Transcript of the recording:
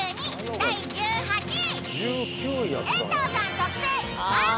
第１８位。